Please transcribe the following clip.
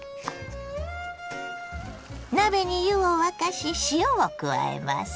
鍋に湯を沸かし塩を加えます。